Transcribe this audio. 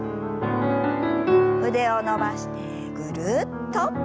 腕を伸ばしてぐるっと。